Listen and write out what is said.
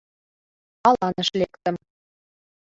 Аланыш лектым.